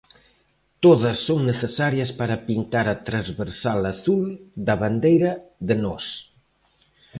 Todas son necesarias para pintar a transversal azul da bandeira de Nós.